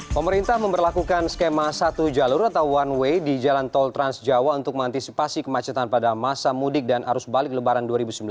pemerintah memperlakukan skema satu jalur atau one way di jalan tol transjawa untuk mengantisipasi kemacetan pada masa mudik dan arus balik lebaran dua ribu sembilan belas